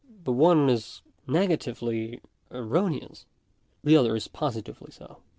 The one is negatively .erroneous ; t the other is positively so.